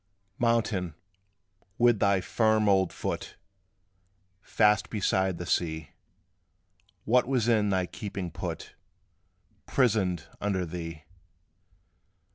Mountain, with thy firm old foot Fast beside the sea, What was in thy keeping put, Prisoned under thee?